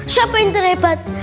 siapa yang terebat